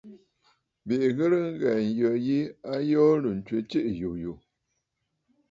Bìʼì ghɨ̀rə ŋghɛ̀ɛ̀ ǹyə yi, a yoorə̀ ǹtswe tsiiʼì yùyù.